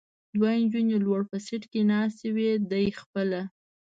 دوه نجونې لوړ په سېټ کې ناستې وې، دی خپله.